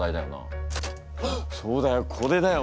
あっそうだよこれだよ！